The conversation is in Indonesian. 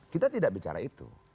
kita tidak bicara itu